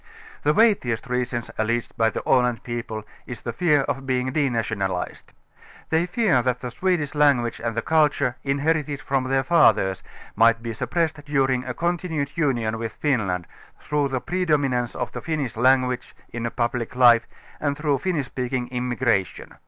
The weightiest reason, alleged by the Aland people, i& the fear of being denationalized. They fear that the Swe dish language and the culture, inherited from their fathers, might be suppressed during a continued union with Finland, through the i)redominance of the Finnish language in public life and through Finnish speaking immigration.